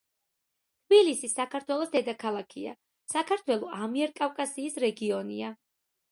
თბილისი საქართველოს დედაქალაქია.საქართველო ამიერკავკასიის რეგიონია.